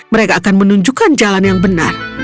mereka akan menunjukkan jalan yang benar